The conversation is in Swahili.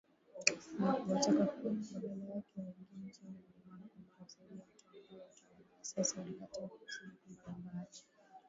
Na kuwataka badala yake waingie nchini humo mara kwa mara kusaidia hatua ambayo utawala wa sasa ulikataa na kusema kwamba ni mbaya